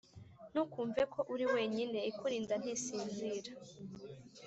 Ntukumveko uriwenyine ikurinda ntisinzira